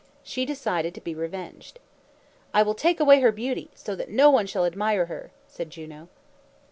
She decided to be revenged. "I will take away her beauty, so that no one shall admire her," said Juno.